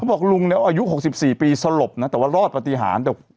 ไหนต่อบอกลุงเนี่ยอายุหกสิบสี่ปีสลบนะแต่ว่ารอดปฏิหาร